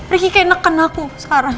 riki kayak neken aku sekarang